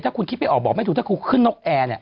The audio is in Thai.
ถ้าคุณคิดไม่ออกบอกไม่ถูกถ้าคุณขึ้นนกแอร์เนี่ย